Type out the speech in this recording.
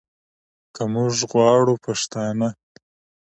که موږ غواړو پښتانه